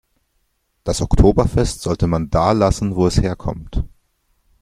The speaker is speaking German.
Das Oktoberfest sollte man da lassen, wo es herkommt.